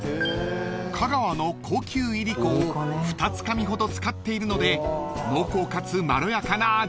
［香川の高級いりこを二つかみほど使っているので濃厚かつまろやかな味わいに］